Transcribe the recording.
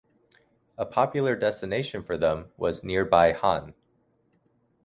A popular destination for them was nearby Hann.